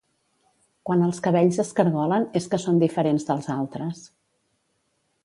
Quan els cabells es cargolen és que són diferents dels altres